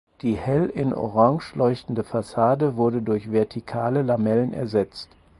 Die hell in Orange leuchtende Fassade wurde durch vertikale Lamellen ersetzt.